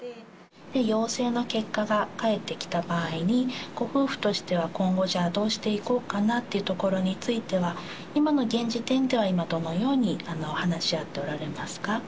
陽性の結果が返ってきた場合に、ご夫婦としては、今後、じゃあどうしていこうかなというところについては、今の現時点では、今、どのように話し合っておられますか？